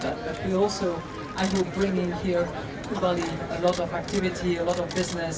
tapi kami juga berharap membawa ke bali banyak aktivitas banyak bisnis